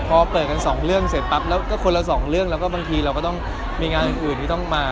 พอเปิดกันสองเรื่องเสร็จปั๊บแล้วก็คนละสองเรื่องแล้วก็บางทีเราก็ต้องมีงานอื่นที่ต้องมา